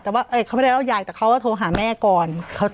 แต่ว่าเขาไม่ได้เล่ายายแต่เขาก็โทรหาแม่ก่อน